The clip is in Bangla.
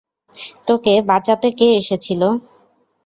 তোকে বাঁচাতে কে এসেছিল?